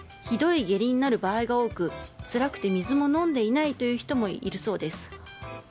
ひどい下痢になる場合が多くつらくて水も飲んでいないという人もいるそうです。